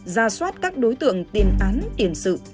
ra soát các đối tượng tiền án tiền sự